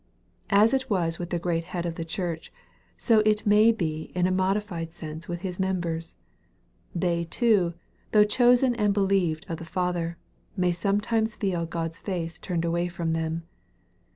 As it was with the Great Head of the Church, so it may be in a modified sense with His members. They too, though chosen and beloved of the Father, may sometimes feel God's face turned away from them.